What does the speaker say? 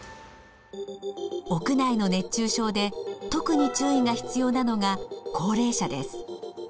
屋内の熱中症で特に注意が必要なのが高齢者です。